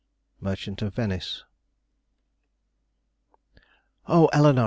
Merchant of Venice. "Oh, Eleanore!"